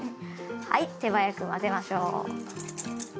はい手早く混ぜましょう。